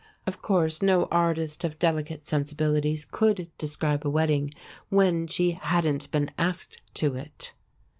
Of course no artist of delicate sensibilities could describe a wedding when she hadn't been asked to it.